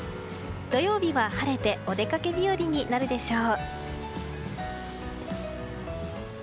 土曜日は晴れてお出かけ日和になるでしょう。